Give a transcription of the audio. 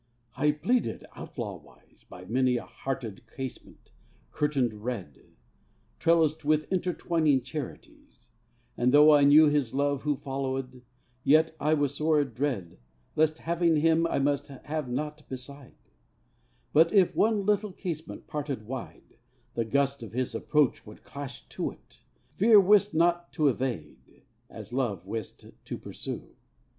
I pleaded, outlaw wise, By many a hearted casement, curtained red, Trellised with intertwining charities; (For, though I knew His love Who followèd, Yet was I sore adread Lest, having Him, I must have naught beside); But, if one little casement parted wide, The gust of His approach would clash it to. Fear wist not to evade, as Love wist to pursue.